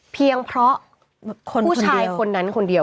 เพียงเพราะผู้ชายคนนั้นคนเดียว